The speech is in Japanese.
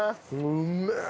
うめえ！